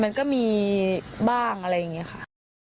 มันก็มีบ้างอะไรอย่างนี้ค่ะ